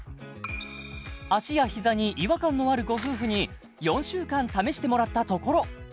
足や膝に違和感のあるご夫婦に４週間試してもらったところ